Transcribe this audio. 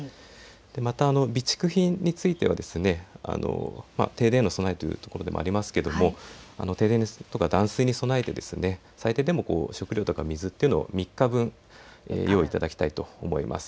また備蓄品については停電への備えというところでもありますが停電とか断水に備えて最低でも食料とか水というのを３日分用意いただきたいと思います。